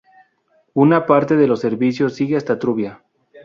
Una parte de los servicios sigue hasta Trubia.